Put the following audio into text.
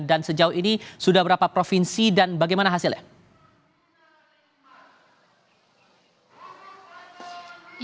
dan sejauh ini sudah berapa provinsi dan bagaimana hasilnya